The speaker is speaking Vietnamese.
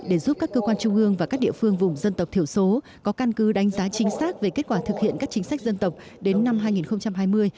để giúp các cơ quan trung ương và các địa phương vùng dân tộc thiểu số có căn cứ đánh giá chính xác về kết quả thực hiện các chính sách dân tộc đến năm hai nghìn hai mươi